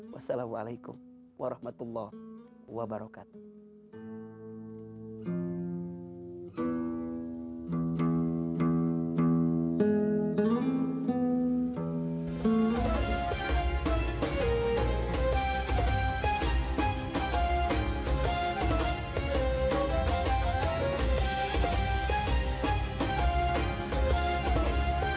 wassalamualaikum warahmatullahi wabarakatuh